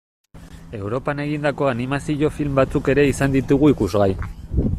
Europan egindako animazio film batzuk ere izan ditugu ikusgai.